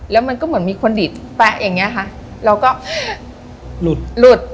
แล้วมันก็เหมือนมีคนดีดแป๊ะอย่างเงี้ยค่ะเราก็หลุดหลุด